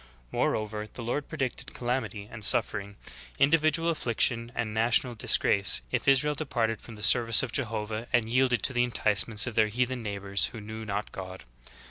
Moreover the Lord predicted calamity and suffering, in dividual affliction and national disgrace, if Israel departed from the service of Jehovah and yielded to the enticements of their heathen neighbors who knew not God.